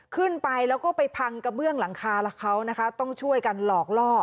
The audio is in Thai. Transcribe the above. ขึ้นไปแล้วก็ไปพังกระเบื้องหลังคากับเขานะคะต้องช่วยกันหลอกล่อ